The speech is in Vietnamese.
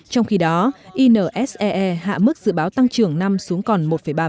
trong khi đó insee hạ mức dự báo tăng trưởng năm xuống còn một ba